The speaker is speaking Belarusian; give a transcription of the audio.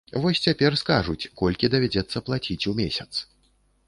Вось цяпер скажуць, колькі давядзецца плаціць у месяц.